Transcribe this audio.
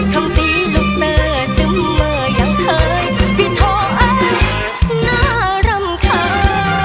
ทำตีลูกเสิร์ฟจำเมื่อย่างเคยปิดโทรอะไรน่ารำคาญ